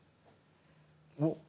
おっ！